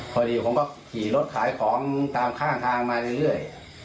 พอดีผมก็ขี่รถขายของตามข้างทางมาเรื่อย